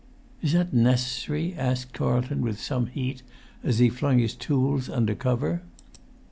"Is that necessary?" asked Carlton with some heat, as he flung his tools under cover.